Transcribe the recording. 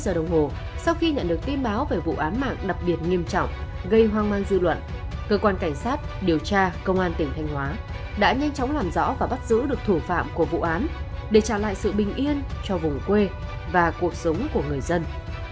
một giờ đồng hồ sau khi nhận được tin báo về vụ án mạng đặc biệt nghiêm trọng gây hoang mang dư luận cơ quan cảnh sát điều tra công an tỉnh thanh hóa đã nhanh chóng làm rõ và bắt giữ được thủ phạm của vụ án để trả lại sự bình yên cho vùng quê và cuộc sống của người dân